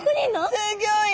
すギョい！